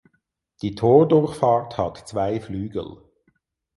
Die Tordurchfahrt hat zwei Flügel.